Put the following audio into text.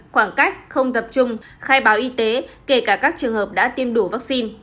khoảng cách không tập trung khai báo y tế kể cả các trường hợp đã tiêm đủ vaccine